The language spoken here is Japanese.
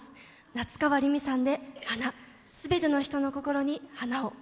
夏川りみさんで「花すべての人の心に花を」。